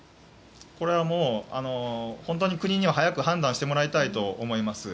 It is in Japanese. これは本当に国には早く判断してもらいたいと思います。